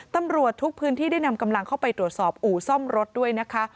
ตำรวจทุกพื้นที่ได้นำกำลังเข้าไปตรวจสอบอู่ซ่อมรถด้วยนะคะ